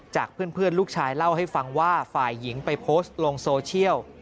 จากเพื่อนลูกชายเล่าให้ฟังว่าฝ่ายหญิงไปโพสต์ลงโซเชียล